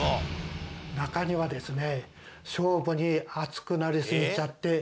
中にはですね